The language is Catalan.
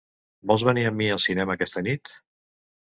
Vols venir amb mi al cinema aquesta nit?